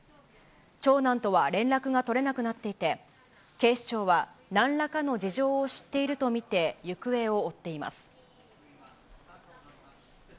長男とは連絡が取れなくなっていて、警視庁はなんらかの事情を知っていると見て、行方を追っています。